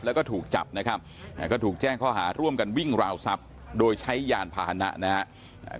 แล้วก็ถูกจับนะครับก็ถูกแจ้งข้อหาร่วมกันวิ่งราวทรัพย์โดยใช้ยานพาหนะนะครับ